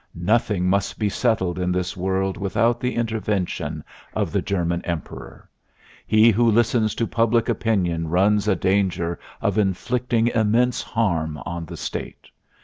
Nothing must be settled in this world without the intervention ... of ... the German Emperor. He who listens to public opinion runs a danger of inflicting immense harm on ... the State.